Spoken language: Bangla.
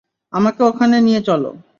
আমাকে ওখানে নিয়ে চল।